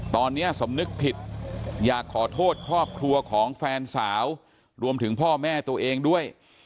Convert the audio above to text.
ตอนนี้สำนึกผิดอยากขอโทษครอบครัวของแฟนสาวรวมถึงพ่อแม่ตัวเองด้วย